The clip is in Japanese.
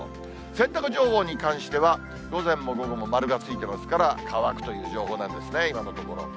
洗濯情報に関しては、午前も午後も丸がついてますから、乾くという情報なんですね、今のところ。